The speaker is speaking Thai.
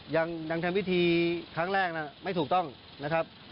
ยังทำพิธีครั้งแรกนั้นไม่ถูกต้องนะครับ